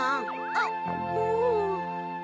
あっうん。